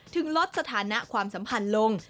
ลดสถานะความสัมพันธ์ลง